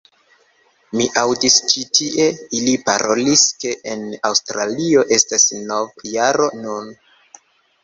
Mi aŭdis ĉi tie ili parolis ke en Aŭstralio estas novjaro nun